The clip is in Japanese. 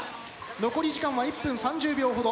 残り時間は１分３０秒ほど。